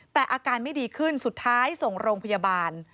แต่อาการไม่ดีขึ้นสุดท้ายส่งโรงพยาบาล